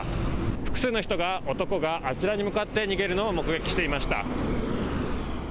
複数の人が男があちらに向かって逃げるのを目撃していました。